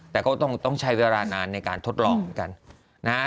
แต่ก็ต้องใช้เวลานานในการทดลองเหมือนกันนะฮะ